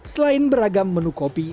selain beragam menu kopi